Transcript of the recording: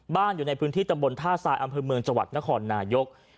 อยู่ในพื้นที่ตำบลท่าทรายอำเภอเมืองจังหวัดนครนายก